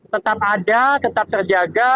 tetap ada tetap terjaga